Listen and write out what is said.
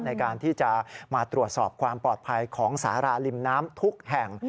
ในการที่จะมาตรวจสอบความปลอดภัยของสาราริมน้ำทุกแห่ง